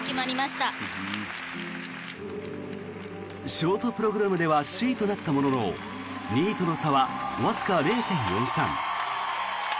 ショートプログラムでは首位となったものの２位との差はわずか０．４３。